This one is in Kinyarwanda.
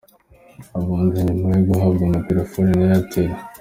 Abunzi nyuma yo guhabwa amaterefone na Airtel.